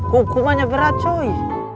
hukumannya berat coy